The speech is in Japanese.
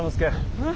うん？